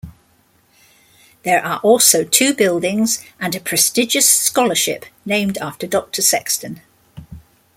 There are also two buildings and a prestigious scholarship named after Doctor Sexton.